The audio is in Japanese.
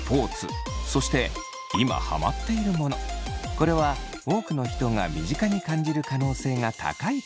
これは多くの人が身近に感じる可能性が高いこと。